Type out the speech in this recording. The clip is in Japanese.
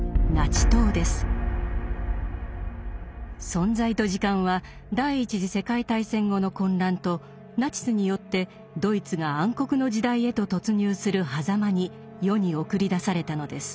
「存在と時間」は第一次世界大戦後の混乱とナチスによってドイツが暗黒の時代へと突入するはざまに世に送り出されたのです。